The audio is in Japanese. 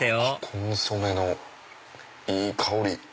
コンソメのいい香り！